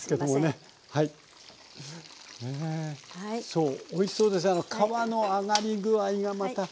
そうおいしそうですね皮の揚がり具合がまた。